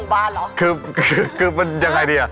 แล้วดูได้จากผมจมูงบานเหรอ